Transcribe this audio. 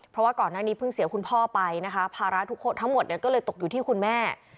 เพราะว่าก่อนหน้านี้เพิ่งเสียคุณพ่อไปนะคะภาระทุกคนทั้งหมดเนี่ยก็เลยตกอยู่ที่คุณแม่